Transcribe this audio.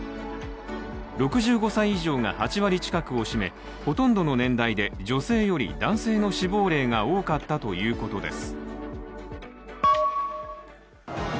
６５歳以上が８割近くを占めほとんどの年代で女性より男性の死亡例が多かったと言うことです。